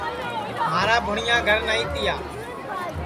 مھارا بھوٹؔیا گھر نائی تیا